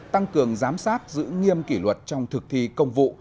tăng cường giám sát giữ nghiêm kỷ luật trong thực thi công vụ